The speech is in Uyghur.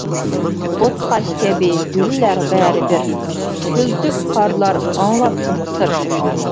ئوتقاش كەبى گۈللەر بەرىبىر، كۈلتۈك قارلار ئاڭلاتسىمۇ سىر!